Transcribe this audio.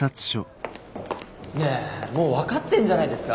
ねえもう分かってんじゃないですか？